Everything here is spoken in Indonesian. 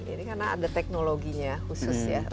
ini karena ada teknologinya khusus ya